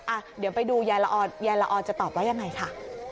อ่ะเดี๋ยวไปดูยายละออยายละออนจะตอบว่ายังไงค่ะ